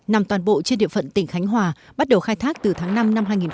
nằm toàn bộ trên địa phận tỉnh khánh hòa bắt đầu khai thác từ tháng năm năm hai nghìn hai mươi ba